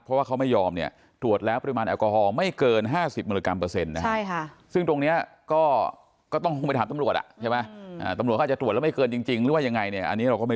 เพราะว่าเขาไม่ยอมตรวจแล้วปริมาณแอลกอฮอล์ไม่เกิน๕๐ม